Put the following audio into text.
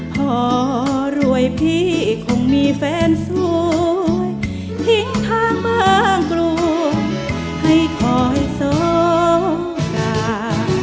พอรวยพี่คงมีแฟนสวยทิ้งทางบางกรวยให้คอยโสกา